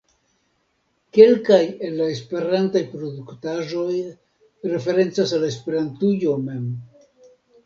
Kelkaj el la esperantaj produktaĵoj referencas al Esperantujo mem.